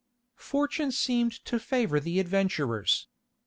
Fortune seemed to favor the adventurers.